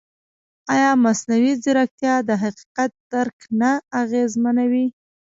ایا مصنوعي ځیرکتیا د حقیقت درک نه اغېزمنوي؟